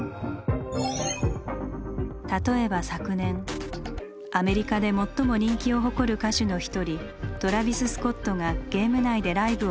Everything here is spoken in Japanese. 例えば昨年アメリカで最も人気を誇る歌手の一人トラヴィス・スコットがゲーム内でライブを実施。